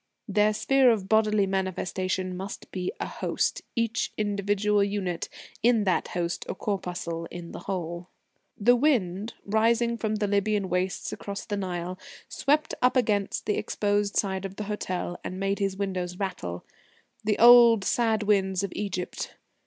Their sphere of bodily manifestation must be a host, each individual unit in that host a corpuscle in the whole. The wind, rising from the Lybian wastes across the Nile, swept up against the exposed side of the hotel, and made his windows rattle the old, sad winds of Egypt.